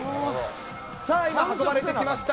さあ、今運ばれてきました。